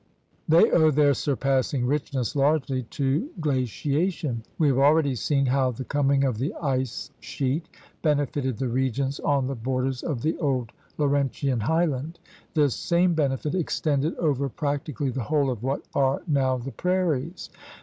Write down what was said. They owe their surpassing richness largely to gla ciation. We have already seen how the coming of the ice sheet benefited the regions on the borders of the old Laurentian highland. This same benefit extended over practically the whole of what are now the prairies.